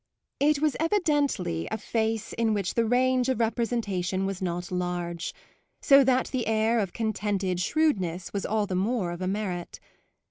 It was evidently a face in which the range of representation was not large, so that the air of contented shrewdness was all the more of a merit.